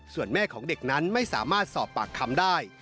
ส่วนแม่ของเด็กนั้นไม่สามารถสอบปากคำได้